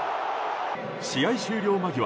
試合終了間際